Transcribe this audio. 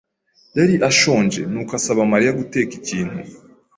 yari ashonje, nuko asaba Mariya guteka ikintu.